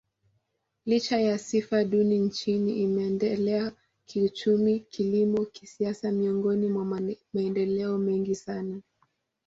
Licha ya sifa duni nchini, imeendelea kiuchumi, kilimo, kisiasa miongoni mwa maendeleo mengi sana.